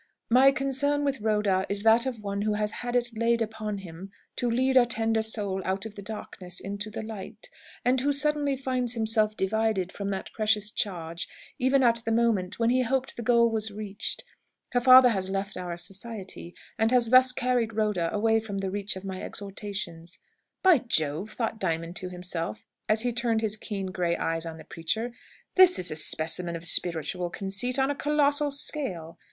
"My concern with Rhoda is that of one who has had it laid upon him to lead a tender soul out of the darkness into the light, and who suddenly finds himself divided from that precious charge, even at the moment when he hoped the goal was reached. Her father has left our Society, and has thus carried Rhoda away from the reach of my exhortations." "By Jove!" thought Diamond to himself, as he turned his keen grey eyes on the preacher, "this is a specimen of spiritual conceit on a colossal scale!"